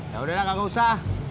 yaudah nek gak usah